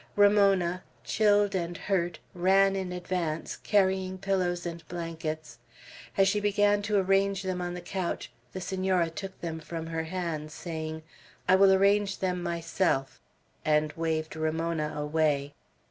Ramona, chilled and hurt, ran in advance, carrying pillows and blankets. As she began to arrange them on the couch, the Senora took them from her hands, saying, "I will arrange them myself;" and waved Ramona away.